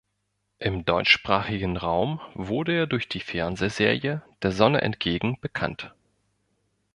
Im deutschsprachigen Raum wurde er durch die Fernsehserie Der Sonne entgegen bekannt.